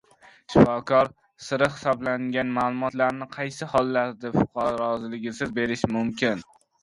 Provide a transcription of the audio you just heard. Shifokor siri hisoblangan ma’lumotlarni qaysi hollarda fuqaro roziligisiz berish mumkin?